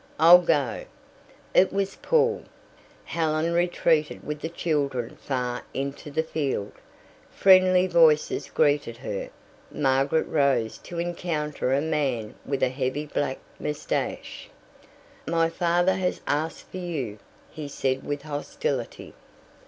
I'll go." It was Paul. Helen retreated with the children far into the field. Friendly voices greeted her. Margaret rose, to encounter a man with a heavy black moustache. "My father has asked for you," he said with hostility.